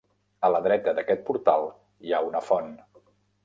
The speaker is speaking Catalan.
A la dreta d'aquest portal hi ha una font.